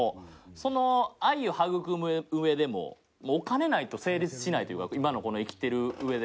その愛を育むうえでもお金ないと成立しないというか今の、この生きてるうえで。